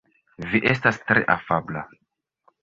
Vi estas tre afabla.